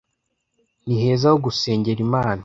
Niheza ho gusengera Imana.